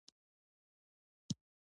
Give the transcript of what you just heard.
د سیندونو اساسي سرچینه سیمه ایز بارانونه دي.